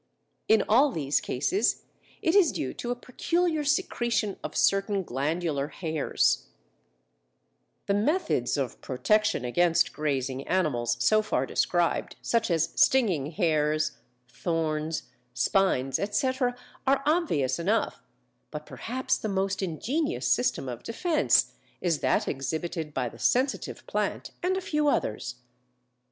In all these cases it is due to a peculiar secretion of certain glandular hairs. Nestler, Sitz. d. K. Akad. d. Wiss. Wien, vol. 3, p. 27. The methods of protection against grazing animals so far described, such as stinging hairs, thorns, spines, etc. (see page 190), are obvious enough, but perhaps the most ingenious system of defence is that exhibited by the Sensitive Plant and a few others.